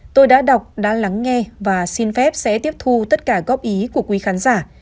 tôi đã đọc đã lắng nghe và xin phép sẽ tiếp thu tất cả góp ý của quý khán giả